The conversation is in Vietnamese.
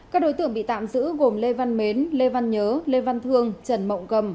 các đối tượng bị tạm giữ gồm lê văn mến lê văn nhớ lê văn thương trần mộng cầm